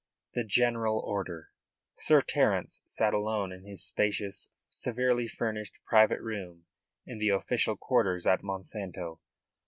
THE GENERAL ORDER Sir Terence sat alone in his spacious, severely furnished private room in the official quarters at Monsanto.